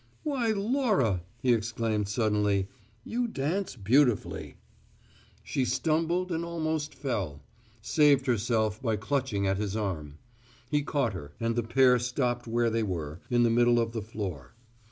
"Why, Laura," he exclaimed suddenly, "you dance beautifully!" She stumbled and almost fell; saved herself by clutching at his arm; he caught her; and the pair stopped where they were, in the middle of the floor.